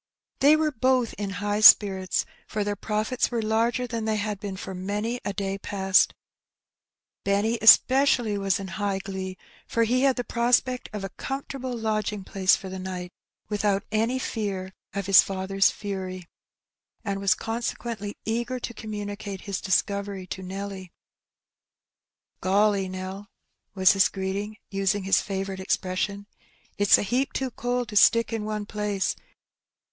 They were both in high spirits, for their profits were larger than they had been for many a day past. Benny especially was in high glee, for he had the prospect of a comfortable lodging place for the night, without any fear of ids father^s fury, and was consequently eager to communicate lis discovery to Nelly. ''Golly, Nell,'* was his greeting, using his favourite expression, ''it's a heap too cold to stick in one place.